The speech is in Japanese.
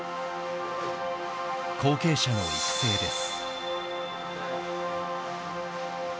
後継者の育成です。